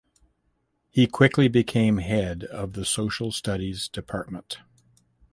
He quickly became head of the social studies department.